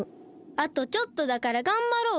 あとちょっとだからがんばろうよ！